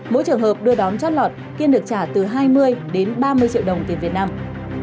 mỗi trường hợp đưa đón chót lọt kiên được trả từ hai mươi đến ba mươi triệu đồng tiền việt nam